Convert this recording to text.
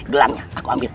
gelangnya aku ambil